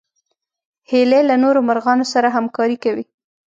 هیلۍ له نورو مرغانو سره همکاري کوي